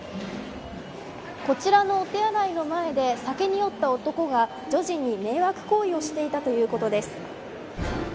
こちらのお手洗いの前で酒に酔った男が女児に迷惑行為をしていたということです。